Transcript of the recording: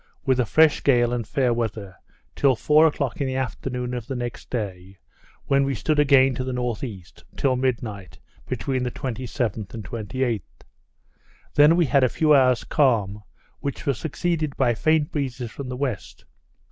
with a fresh gale and fair weather, till four o'clock in the afternoon of the next day, when we stood again to the N.E., till midnight between the 27th and 28th. Then we had a few hours calm, which was succeeded by faint breezes from the west.